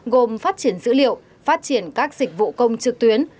gồm phát triển dữ liệu phát triển các dịch vụ công trực tuyến